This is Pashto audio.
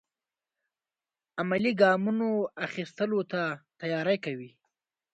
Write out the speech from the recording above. عملي ګامونو اخیستلو ته تیاری کوي.